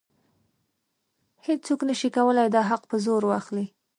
هیڅوک نشي کولی دا حق په زور واخلي.